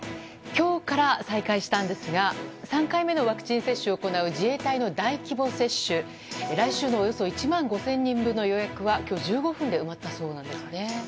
今日から再開したんですが３回目のワクチン接種を行う自衛隊の大規模接種来週のおよそ１万５０００人分の予約が今日、１５分で埋まったそうなんですね。